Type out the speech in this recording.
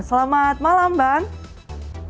selamat malam mbak